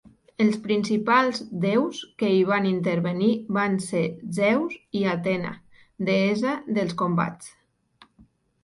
Els principals déus que hi van intervenir van ser Zeus i Atena, deessa dels combats.